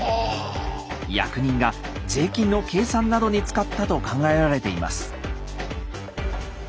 役人が税金の計算などに使ったと考えられています。